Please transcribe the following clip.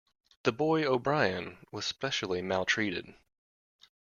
The boy, O'Brien, was specially maltreated.